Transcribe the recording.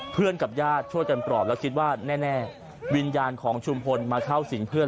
กับญาติช่วยกันปลอบแล้วคิดว่าแน่วิญญาณของชุมพลมาเข้าสิงเพื่อน